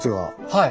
はい。